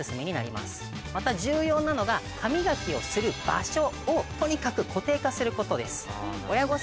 また重要なのが歯磨きをする場所をとにかく固定化することです。